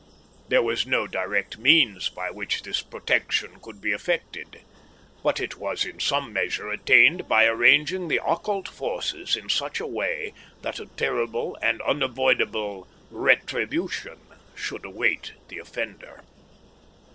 There was no direct means by which this protection could be effected, but it was in some measure attained by arranging the occult forces in such a way that a terrible and unavoidable retribution should await the offender.